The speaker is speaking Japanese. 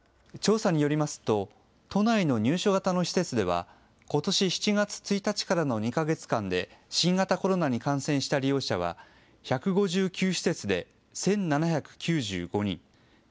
調査によりますと、都内の入所型の施設ではことし７月１日からの２か月間で新型コロナに感染した利用者は１５９施設で１７９５人。